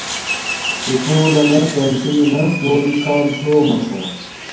سکُول لنا کنٹین نس گھولی کھام چھومکا